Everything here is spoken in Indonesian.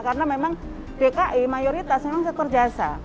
karena memang dki mayoritas memang sektor jasa